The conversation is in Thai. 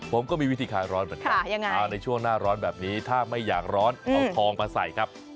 ผมก็มีวิธีคลายร้อนเหมือนกันในช่วงหน้าร้อนแบบนี้ถ้าไม่อยากร้อนเอาทองมาใส่ครับ